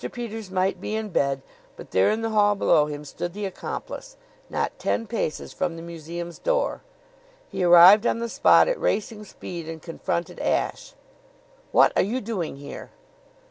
Peters might be in bed, but there in the hall below him stood the accomplice, not ten paces from the museum's door. He arrived on the spot at racing speed and confronted Ashe. "What are you doing here?"